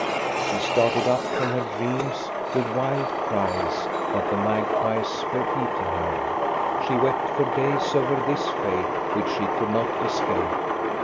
She started up from her dreams with wild cries that the magpies were eating her. She wept for days over this fate, which she could not escape.